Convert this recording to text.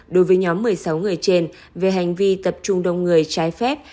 đối với nhóm một mươi sáu người trên về hành vi tập trung đông người trái phép